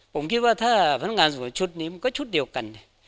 ผมคิดว่าถ้าพนักงานสวนชุดนี้มันก็ชุดเดียวกัน